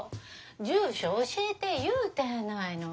住所教えて言うたやないの。